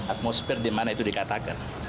atmosfer di mana itu dikatakan